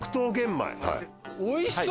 おいしそう！